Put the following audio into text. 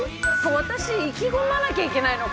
私意気込まなきゃいけないの？